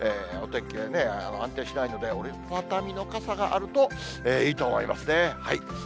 お天気、安定しないので、折り畳みの傘があるといいと思いますね。